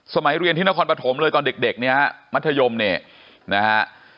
สมัยเรียนที่นครปฐมเลยตอนเด็กเนี่ยฮะมัธยมเนี่ยนะฮะ